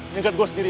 nyegat gue sendirian